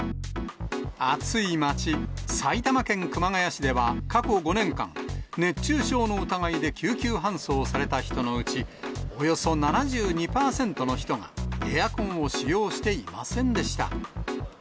暑い街、埼玉県熊谷市では過去５年間、熱中症の疑いで救急搬送された人のうち、およそ７２％の人がエアコンを使用していませんでした。